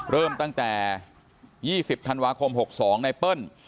เริ่มตั้งแต่๒๐ธันวาคม๖๒ไนเปิ้ล